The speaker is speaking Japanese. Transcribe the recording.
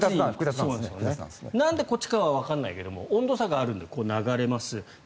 なんで、こっちかはわからないんですが温度差があるので流れます。